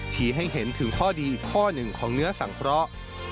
ให้เห็นถึงข้อดีข้อหนึ่งของเนื้อสังเคราะห์